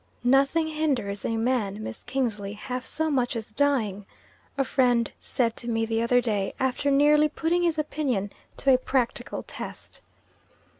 "Nothing hinders a man, Miss Kingsley, half so much as dying," a friend said to me the other day, after nearly putting his opinion to a practical test.